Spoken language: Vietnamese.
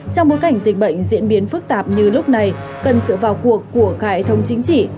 trong bối cảnh dịch bệnh diễn biến phức tạp như lúc này cần sự vào cuộc của cải thống chính trị